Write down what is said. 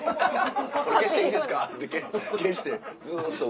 「これ消していいですか」って消してずっとこう。